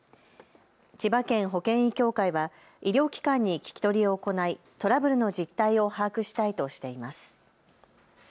千葉県保険医協会は医療機関に聞き取りを行いトラブルの実態を把握したいとしています。